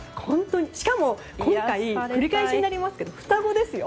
しかも今回繰り返しになりますけど双子ですよ。